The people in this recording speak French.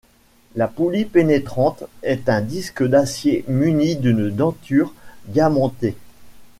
La poulie pénétrante est un disque d’acier muni d’une denture diamantée.